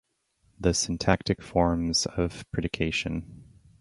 The Syntactic Forms of Predication.